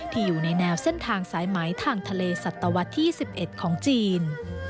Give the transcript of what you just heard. อยู่ในแนวเส้นทางสายไหมทางทะเลสัตวรรษที่๑๑ของจีน